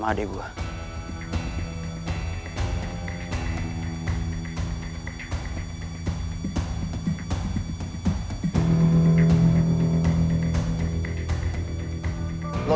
mondi udah ga punya powernya lagi